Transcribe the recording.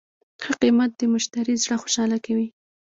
ښه قیمت د مشتری زړه خوشحاله کوي.